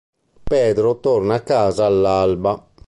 Pedro torna a casa all'alba.